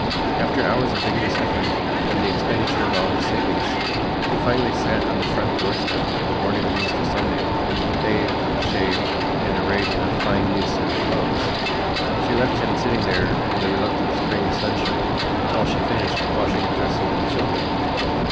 After hours of vigorous effort and the expenditure of all her savings, he finally sat on the front doorstep the morning of Easter Sunday, bathed, shaved and arrayed in a fine new suit of clothes. She left him sitting there in the reluctant spring sunshine while she finished washing and dressing the children.